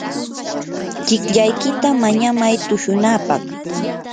llikllaykita mañamay tushunapaq.